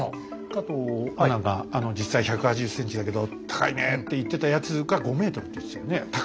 加藤アナが実際１８０ｃｍだけど高いねって言ってたやつが５ｍって言ってたよね高さが。